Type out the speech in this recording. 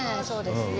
そうですか。